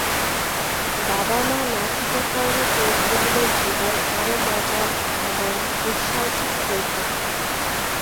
বাবা মা না থাকার কারণে চরিত্রগুলোর জীবন আরও মজার এবং দুঃসাহসিক হয়ে থাকে।